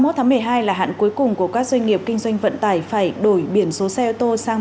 hai mươi tháng một mươi hai là hạn cuối cùng của các doanh nghiệp kinh doanh vận tải phải đổi biển số xe ô tô sang